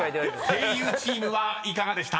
［声優チームはいかがでした？］